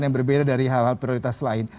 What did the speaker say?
yang berbeda dari hal hal prioritas lain